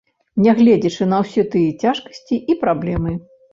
Нягледзячы на ўсе тыя цяжкасці і праблемы.